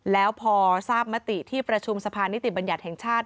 แล้วพอทราบมติที่ประชุมสภานิติบัญญัติแห่งชาติ